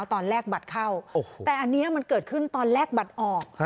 ตอนแรกบัตรเข้าแต่อันนี้มันเกิดขึ้นตอนแรกบัตรออก